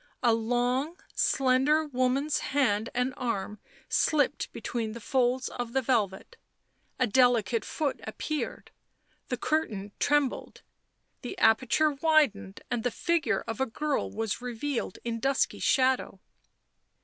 A long, slender woman's hand and arm slipped between the folds of the velvet; a delicate foot appeared; the curtain trembled, the aperture widened, and the figure of a girl was revealed in dusky shadow.